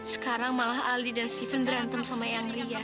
sekarang malah aldi dan steven berantem sama yang ria